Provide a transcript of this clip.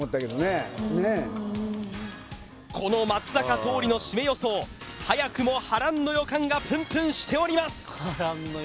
この松坂桃李のしめ予想早くも波乱の予感がプンプンしております